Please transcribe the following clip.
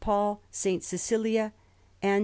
Paul, S. Cecilia, and S.